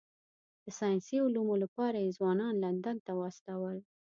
د ساینسي علومو لپاره یې ځوانان لندن ته واستول.